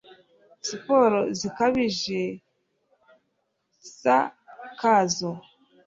siporo zikabije ntkeza kazo